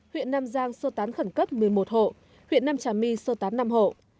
huyện nam giang sơ tán khẩn cấp một mươi một hộ huyện nam trà my sơ tán năm hộ